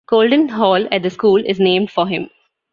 Colden Hall at the school is named for him.